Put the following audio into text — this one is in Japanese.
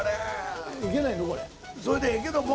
それでええけども。